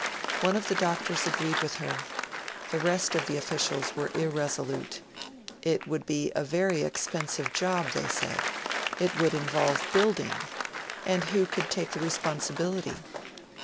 One of the doctors agreed with her; the rest of the officials were irresolute it would be a very expensive job, they said; it would involve building; and who could take the responsibility?